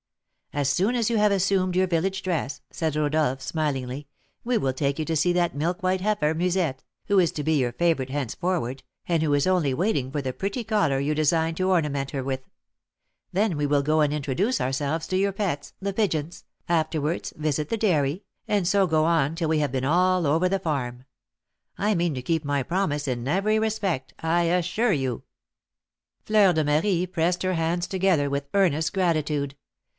As soon as you have assumed your village dress," said Rodolph, smilingly, "we will take you to see that milk white heifer, Musette, who is to be your favourite henceforward, and who is only waiting for the pretty collar you designed to ornament her with; then we will go and introduce ourselves to your pets, the pigeons, afterwards visit the dairy, and so go on till we have been all over the farm. I mean to keep my promise in every respect, I assure you." Fleur de Marie pressed her hands together with earnest gratitude.